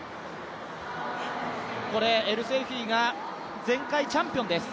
これ、エルセイフィが前回チャンピオンです。